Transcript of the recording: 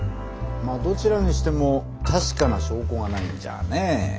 まあどちらにしても確かな証拠がないんじゃね。